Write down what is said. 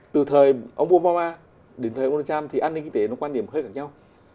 từ thời ông obama đến thời ông donald trump thì an ninh kinh tế nó quan điểm khác nhau